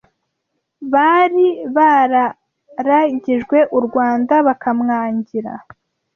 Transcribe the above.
bari bararagijwe u Rwanda bakamwangira